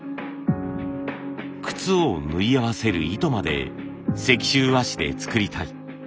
靴を縫い合わせる糸まで石州和紙で作りたい。